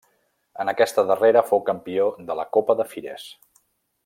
En aquesta darrera fou campió de la Copa de Fires.